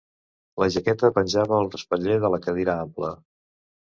La jaqueta penjava al respatller de la cadira ampla.